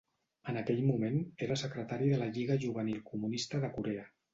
En aquell moment era secretari de la Lliga Juvenil Comunista de Corea.